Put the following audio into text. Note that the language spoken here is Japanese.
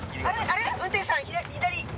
あれ⁉運転手さん左！